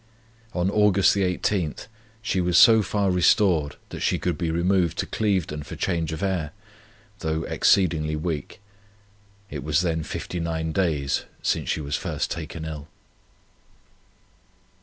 "On Aug. 18th she was so far restored that she could be removed to Clevedon for change of air, though exceedingly weak. It was then 59 days since she was first taken ill.